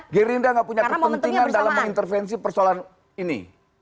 gerindra tidak punya kepentingan dalam intervensi persoalan ini